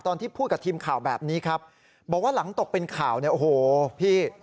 ที่พูดกับทีมข่าวแบบนี้ครับบอกว่าหลังตกเป็นข่าวเนี่ยโอ้โหพี่